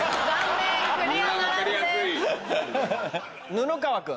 布川君。